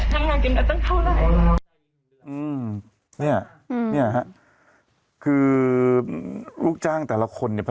ทำงานครบ๒๐ปีได้เงินชดเฉยเลิกจ้างไม่น้อยกว่า๔๐๐วัน